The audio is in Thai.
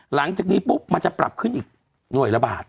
หลังจากนี้ปุ๊บมันจะปรับขึ้นอีกหน่วยละบาท